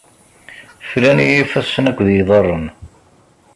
Flan-iyi ifassen akked yiḍarren.